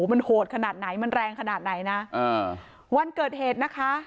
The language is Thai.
มันโหดขนาดไหนมันแรงขนาดไหนนะอ่าวันเกิดเหตุนะคะ